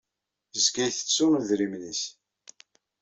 Yezga ittettu idrimen-nnes.